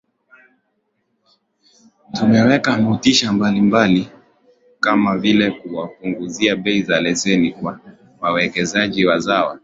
Tumeweka motisha mbalimbali kama vile kuwapunguzia bei za leseni kwa wawekezaji wazawa